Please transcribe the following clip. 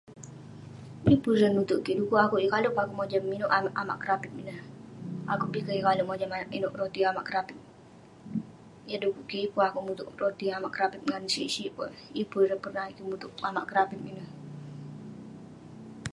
Yeng pun yah nutouk kik dekuk kik yeng kale' peh akouk mojam inouk amak- amak kerapip ineh. Akouk bi kek yeng kale' mojam inouk amak kerapip.